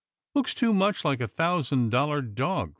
" Looks too much like a thousand dollar dog.